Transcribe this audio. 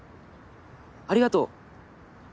ありがとう！